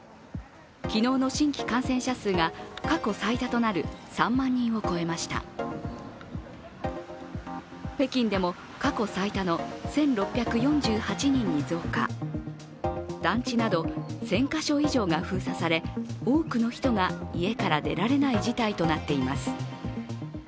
昨日の新規感染者数が過去最多となる３万人を超えました北京でも、過去最多の１６４８人に増加団地など１０００か所以上が封鎖され多くの人が家から出られない事態となってます。